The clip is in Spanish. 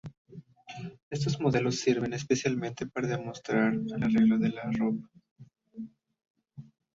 Estos modelos sirven especialmente para demostrar el arreglo de la ropa.